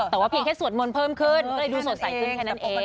แต่ว่าเพียงแค่สวดมนต์เพิ่มขึ้นก็เลยดูสดใสขึ้นแค่นั้นเอง